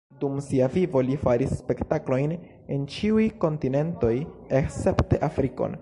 Dum sia vivo li faris spektaklojn en ĉiuj kontinentoj escepte Afrikon.